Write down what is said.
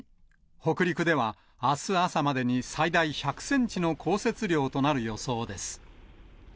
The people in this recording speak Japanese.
北陸ではあす朝までに最大１００センチの降雪量となる予想です。